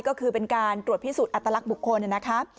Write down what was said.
ก็คือเป็นการตรวจพิสูจน์อัตลักษณ์บุคคลนะครับ